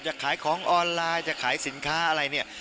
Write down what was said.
จะขายของออนไลน์จะขายสินค้าอะไรเนี่ย